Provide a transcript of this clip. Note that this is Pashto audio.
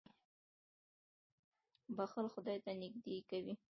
• بښل خدای ته نېږدې کوي.